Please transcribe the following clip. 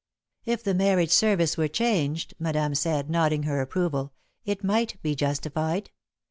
"If the marriage service were changed," Madame said, nodding her approval, "it might be justified.